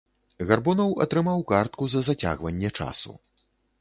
Гарбуноў атрымаў картку за зацягванне часу.